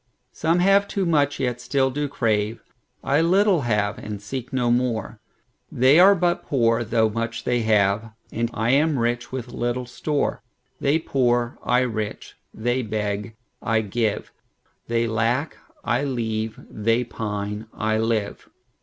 Some have too much, yet still do crave;I little have, and seek no more. They are but poor, though much they have, And I am rich with little store; They poor, I rich; they beg, I give; They lack, I leave; they pine, I live.